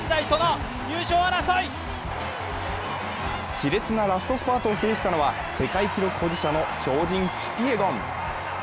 しれつなラストスパートを制したのは世界記録保持者の超人・キピエゴン。